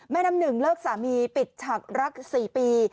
น้ำหนึ่งเลิกสามีปิดฉากรัก๔ปี